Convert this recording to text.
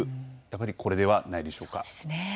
やはりこれではないでしょうか。